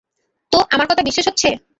তো, আমার কথা বিশ্বাস হচ্ছে?